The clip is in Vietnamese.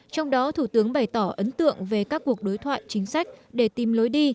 trong đó thủ tướng bày tỏ ấn tượng về các cuộc đối thoại chính sách để tìm lối đi